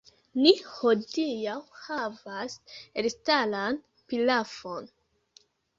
Ni hodiaŭ havas elstaran pilafon!